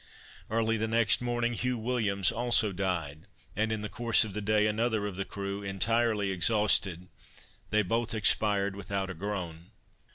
Early the next morning Hugh Williams also died, and in the course of the day another of the crew: entirely exhausted, they both expired without a groan.